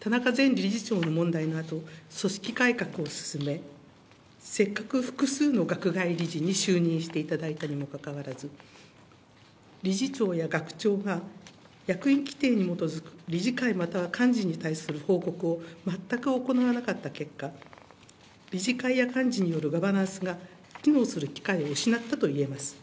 田中前理事長の問題のあと、組織改革を進め、せっかく、複数の学外理事に就任していただいたにもかかわらず、理事長や学長が役員規定に基づく理事会または幹事に対する報告を全く行わなかった結果、理事会や幹事によるガバナンスが機能する機会を失ったといえます。